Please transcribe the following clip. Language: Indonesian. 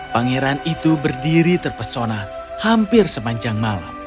pangeran itu berdiri terpesona hampir sepanjang malam